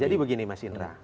jadi begini mas indra